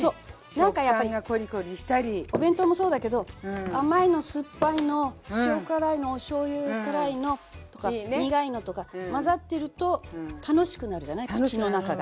何かやっぱりお弁当もそうだけど甘いの酸っぱいの塩辛いのおしょうゆ辛いのとか苦いのとか混ざってると楽しくなるじゃない口の中が。